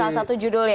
salah satu judul ya